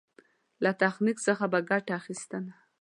له تخنيک څخه په ګټه اخېستنه.